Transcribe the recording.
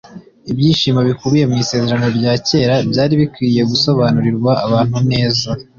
Ibyigisho bikubiye mu Isezerano rya kera byari bikwiriye gusobanurirwa abantu neza.